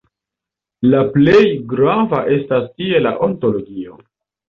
La plej grava estas tie la ontologio.